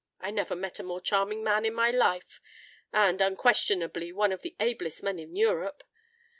I never met a more charming man in my life. And unquestionably one of the ablest men in Europe.